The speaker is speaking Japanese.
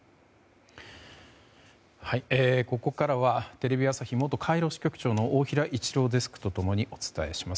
ここからはテレビ朝日元カイロ支局長の大平一郎デスクと共にお伝えします。